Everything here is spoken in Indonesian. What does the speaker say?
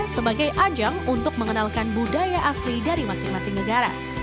sebagai ajang untuk mengenalkan budaya asli dari masing masing negara